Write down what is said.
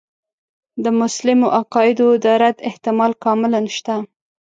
د مسلمو عقایدو د رد احتمال کاملاً شته.